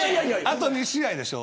あと２試合でしょ。